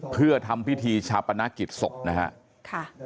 เพื่อทำพิธีชาปนกิจศพนะครับ